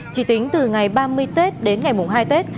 chỉ tính từ ngày ba mươi tết đến ngày mùng hai tết